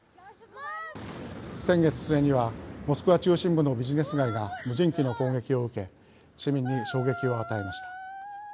先月末には、モスクワ中心部のビジネス街が無人機の攻撃を受け市民に衝撃を与えました。